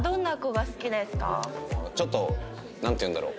ちょっとなんていうんだろう。